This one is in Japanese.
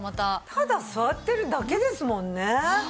ただ座ってるだけですもんね。